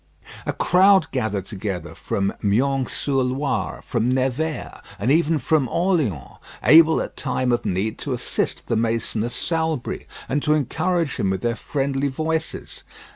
A crowd gathered together from Meung sur Loire, from Nevers, and even from Orleans, able at time of need to assist the mason of Salbris, and to encourage him with their friendly voices.